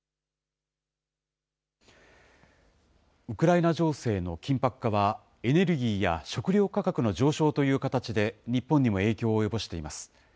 ウクライナ情勢の緊迫化はエネルギーや食料価格の上昇という形で、日本にも影響を及ぼしています。